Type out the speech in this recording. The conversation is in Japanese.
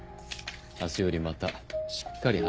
明日よりまたしっかり働きますので。